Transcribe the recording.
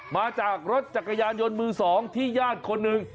มาจากรถจักรยานยนต์มือสองที่ญาติคนหนึ่ง